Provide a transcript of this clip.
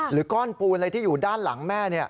ก้อนปูนอะไรที่อยู่ด้านหลังแม่